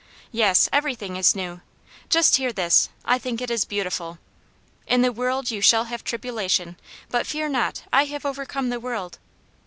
" Yes, everything is new. Just hear this : I think it is beautiful. * In the world you shall have tribula tion, but fear not, I have overcome the world.'